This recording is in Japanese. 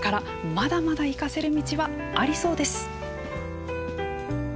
まだまだ生かせる道はありそうです。